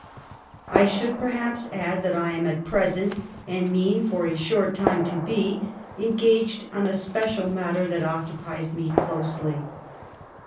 I should, perhaps, add that I am at present, and mean for a short time to be, engaged on a special matter that occupies me closely."